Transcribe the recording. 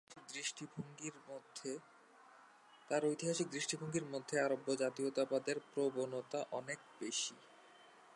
তার ঐতিহাসিক দৃষ্টিভঙ্গির মধ্যে, আরব্য জাতীয়তাবাদের প্রবণতা অনেক বেশি।